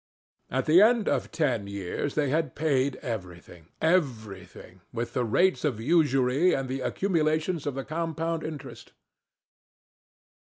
At the end of ten years they had paid everything, everything, with the rates of usury, and the accumulations of the compound interest.